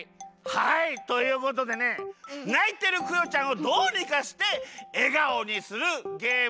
はいということでねないてるクヨちゃんをどうにかしてえがおにするゲームでございます。